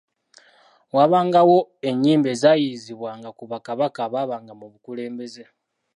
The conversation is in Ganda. Waabangawo ennyimba ezayiiyiizibwanga ku Bakabaka abaabanga ku bukulembeze